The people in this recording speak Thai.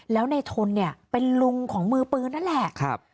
แล้วในทนเนี่ยเป็นลุงของมือปืนนั่นแหละ